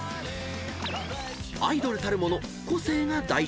［アイドルたるもの個性が大事］